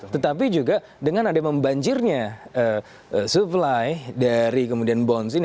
tetapi juga dengan ada membanjirnya supply dari kemudian bonds ini